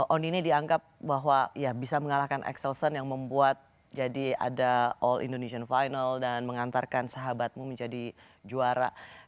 on ini dianggap bahwa ya bisa mengalahkan axelsen yang membuat jadi ada all indonesian final dan mengantarkan sahabatmu menjadi juara